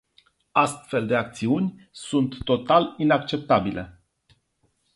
Astfel de acțiuni sunt total inacceptabile.